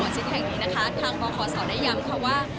อชิงแห่งนี้นะคะทางบ่อขอสอได้ย้ำค่ะว่า